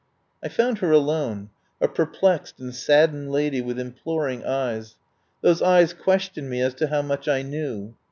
I found her alone, a perplexed and sad dened lady with imploring eyes. Those eyes questioned me as to how much I knew.